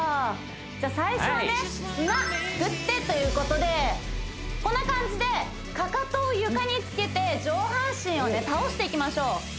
じゃあ最初はね砂すくってということでこんな感じでかかとを床につけて上半身をね倒していきましょう